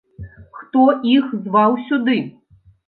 Хто іх зваў сюды?